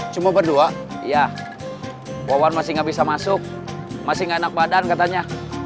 sampai jumpa di video selanjutnya